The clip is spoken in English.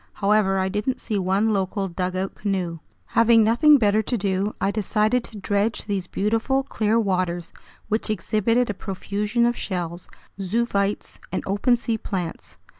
However, I didn't see one local dugout canoe. Having nothing better to do, I decided to dredge these beautiful, clear waters, which exhibited a profusion of shells, zoophytes, and open sea plants.